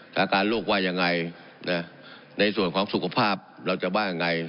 สถานการณ์โลกว่ายังไงนะในส่วนของสุขภาพเราจะว่ายังไง